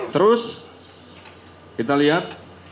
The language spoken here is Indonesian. terus kita lihat